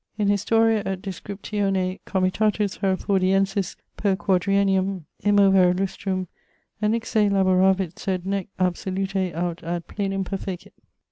In historia et descriptione comitatus Herefordiensis per quadriennium, immo vero lustrum, enixe laboravit sed nec absolute aut ad plenum perfecit.